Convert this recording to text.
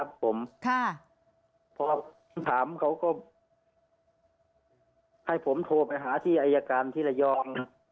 พอผมถามเขาก็ให้ผมโทรไปหาที่อายการที่ระยอง